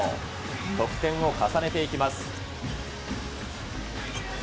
得点を重ねていきます。